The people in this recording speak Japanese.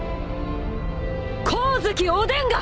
光月おでんが！